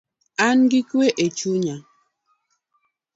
An gi kue echunya